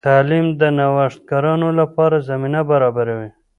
تعلیم د نوښتګرانو لپاره زمینه برابروي.